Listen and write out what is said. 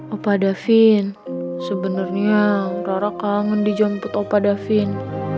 opa davin sebenarnya roro kangen dijemput opa davin